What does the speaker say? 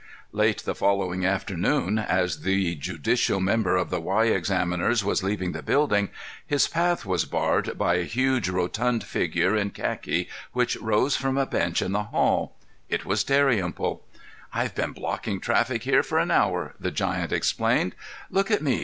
_" Late the following afternoon, as the judicial member of the Y examiners was leaving the building, his path was barred by a huge, rotund figure in khaki which rose from a bench in the hall. It was Dalrymple. "I've been blocking traffic here for an hour," the giant explained. "Look at me!